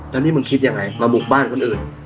แล้วนี่มึงคิดยังไงมาบุกบ้านคนอื่น